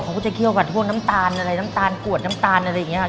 เขาก็จะเคี่ยวกับพวกน้ำตาลอะไรน้ำตาลกวดน้ำตาลอะไรอย่างนี้ค่ะ